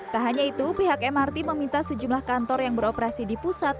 tak hanya itu pihak mrt meminta sejumlah kantor yang beroperasi di pusat